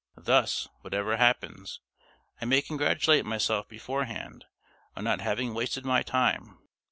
Thus, whatever happens, I may congratulate myself beforehand on not having wasted my time.